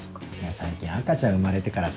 最近赤ちゃん生まれてからさ。